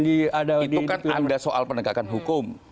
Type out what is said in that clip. itu kan ada soal penegakan hukum